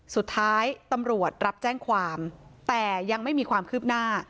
สุดท้ายตำรวจรับแจ้งความแต่ยังไม่มีความคืบหน้า